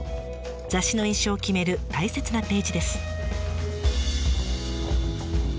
雑誌の印象を決める大切なページです。